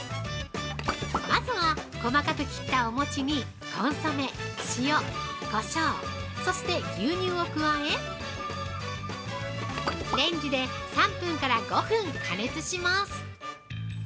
まずは細かく切ったお餅にコンソメ、塩、こしょうそして、牛乳を加え、レンジで３分から５分加熱します。